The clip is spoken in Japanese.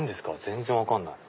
全然分かんない。